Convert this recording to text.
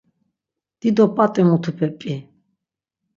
Dido p̌at̆i mutupe p̌i.